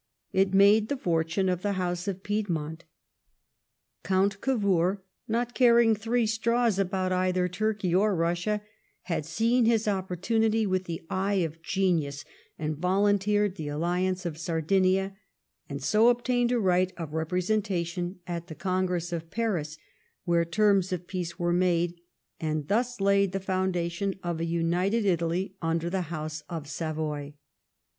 It made the fortune of the House of Piedmont. Count Cavour, not caring three straws about either Turkey or Russia, had seen his opportu nity with the eye of genius and volunteered the alliance of Sardinia, and so obtained a right of representation at the Congress of Paris, where terms of peace were made, and thus laid the foundation of a United Italy under the House of Savoy.